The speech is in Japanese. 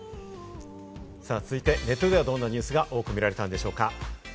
続いてネットではどんなニュースが多く見られたんでしょうか？